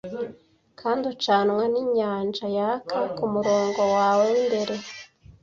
Kandi ucanwa ninyanja-yaka kumurongo wawe w'imbere,